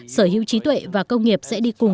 sở hữu trí tuệ và công nghiệp sẽ đi cùng